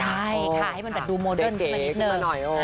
ใช่ค่ะให้มันแบบดูโมเดิร์นขึ้นมานิดนึง